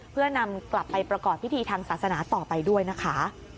เพื่อนำกลับไปประกอบพิธีทางศาสนาต่อไปด้วยนะคะ